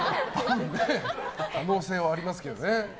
可能性はありますけどね。